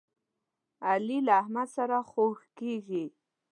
علي له احمد سره خوږ کېږي.